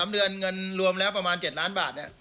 ๓เดือนเงินรวมแล้วประมาณ๗ล้านบาท